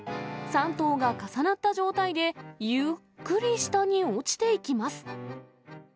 ３頭が重なった状態でゆっくり下に落ちていきます。